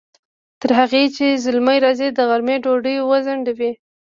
تر هغې چې زلمی راځي، د غرمې ډوډۍ وځڼډوئ!